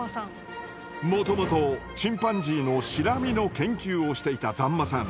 もともとチンパンジーのシラミの研究をしていた座馬さん。